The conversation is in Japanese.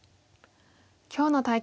今日の対局